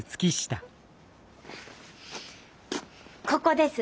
ここです。